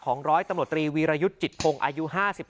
ร้อยตำรวจตรีวีรยุทธ์จิตพงศ์อายุ๕๓